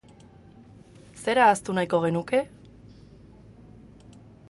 Zer ahaztu nahiko genuke?